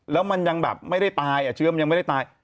แล้วมันยังแบบไม่ได้ตายเชื้อมันยังไม่ได้ตาย